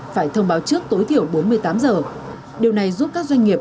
phải thông báo trước tối thiểu bốn mươi tám h